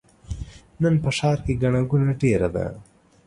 نن په ښار کې ګڼه ګوڼه ډېره ده.